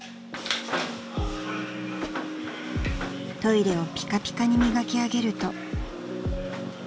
［トイレをピカピカに磨き上げると］